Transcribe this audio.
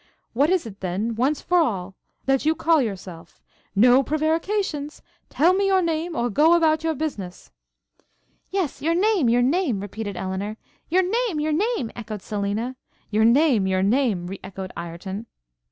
What is it, then, once for all, that you call yourself? No prevarications! Tell me your name, or go about your business.' 'Yes, your name! your name!' repeated Elinor. 'Your name! your name!' echoed Selina. 'Your name! your name!' re echoed Ireton.